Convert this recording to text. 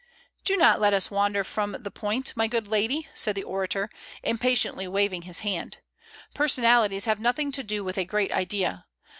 "Do not let us wander from the point, my good lady," said the orator, impatiently waving his hand; "personalities have nothing to do with a great idea.